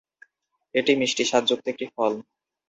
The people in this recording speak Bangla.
এটি মিষ্টি স্বাদযুক্ত একটি ফল।